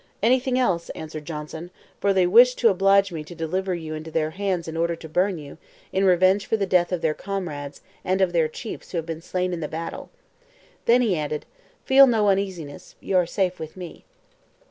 'Anything else!' answered Johnson, 'for they wished to oblige me to deliver you into their hands in order to burn you, in revenge for the death of their comrades and of their chiefs who have been slain in the battle.' Then he added: 'Feel no uneasiness; you are safe with me.'